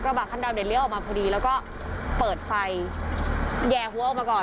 บะคันดำเนี่ยเลี้ยวออกมาพอดีแล้วก็เปิดไฟแห่หัวออกมาก่อน